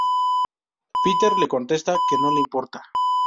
Peter le contesta que no le importa.